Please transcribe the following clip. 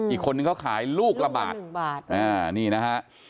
อีกคนนึงเขาขายลูกละบาทนี่นะฮะ